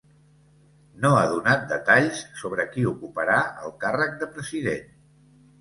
No ha donat detalls sobre qui ocuparà el càrrec de president.